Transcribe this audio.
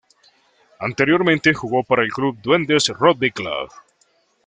Anteriormente jugó para el Duendes Rugby Club.